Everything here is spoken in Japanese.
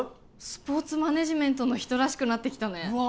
スポーツマネージメントの人らしくなってきたねうわ！